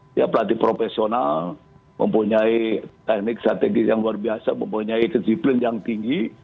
setiap pelatih profesional mempunyai teknik strategis yang luar biasa mempunyai disiplin yang tinggi